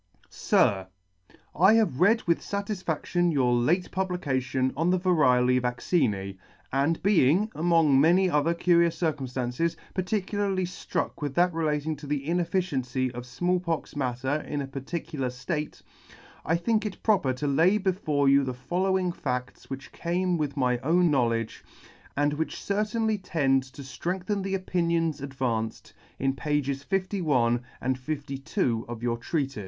Sir, " I have read with fatisfadtion your late publication on the Variolae Vaccine, and being, among many other curious circumftances, particularly ftruck with that relating to the ineffi cacy of Small pox matter in a particular ftate, I think it proper to lay before you the following fadls which came within my own knowledge, and which certainly tend to ftrengthen the opinions advanced in pages 51 and 52 of your Treatife.